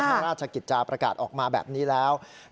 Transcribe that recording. ราชกิจจาประกาศออกมาแบบนี้แล้ว